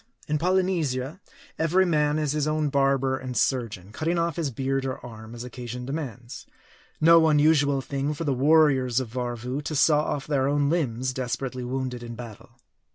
In Polynesia, every man is his own barber and surgeon, cutting off his beard or arm, as occasion demands. No unusual thing, for the warriors of Varvoo to saw off their own limbs, desperately wounded in battle.